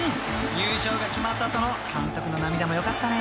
優勝が決まった後の監督の涙も良かったね］